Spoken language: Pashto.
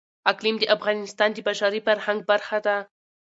اقلیم د افغانستان د بشري فرهنګ برخه ده.